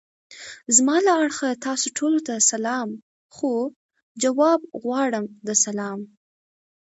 زما له اړخه تاسو ټولو ته سلام خو! جواب غواړم د سلام.